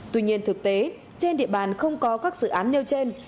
tuy nhiên thực tế trên địa bàn không có các dự án nêu trên